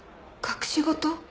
隠し事？